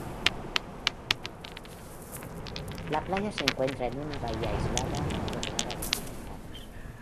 La playa se encuentra en una bahía aislada, rodeada de acantilados.